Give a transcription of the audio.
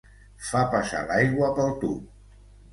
Fa passar l'aigua pel tub.